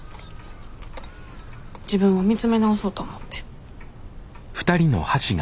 自分を見つめ直そうと思って。